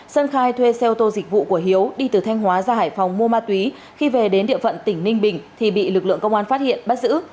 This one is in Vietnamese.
sơn khai thuê xe ô tô dịch vụ của hiếu đi từ thanh hóa ra hải phòng mua ma túy khi về đến địa phận tỉnh ninh bình thì bị lực lượng công an phát hiện bắt giữ